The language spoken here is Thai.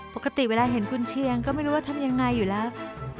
ปกติเวลาเห็นคุณเชียงก็ไม่รู้ว่าทำยังไงอยู่แล้ว